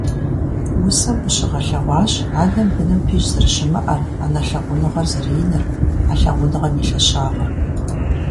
Усэм къыщыгъэлъэгъуащ анэм быным пищӀ зэрыщымыӀэр, анэ лъагъуныгъэр зэрыиныр, а лъагъуныгъэм и лъэщагъыр.